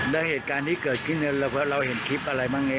ด้วยเหตุการณ์ที่เกิดขึ้นละเพราะเราเห็นคลิปอะไรบ้างเองน่ะ